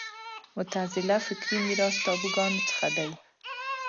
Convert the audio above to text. معتزله فکري میراث تابوګانو څخه دی